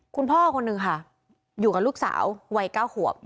คุณพ่อคนนึงค่ะอยู่กับลูกสาววัยเก้าหัว